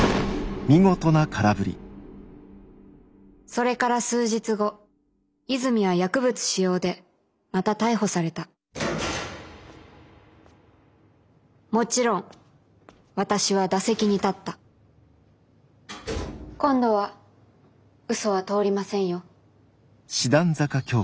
それから数日後泉は薬物使用でまた逮捕されたもちろん私は打席に立った今度はうそは通りませんよ。